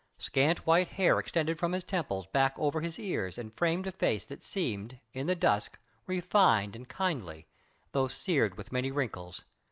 Scant white hair extended from his temples back over his ears and framed a face that seemed, in the dusk, refined and kindly, though seared with many wrinkles.